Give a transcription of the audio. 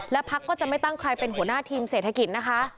และพักก็จะไม่ตั้งใครเป็นหัวหน้าทีมเศรษฐกิจนะคะ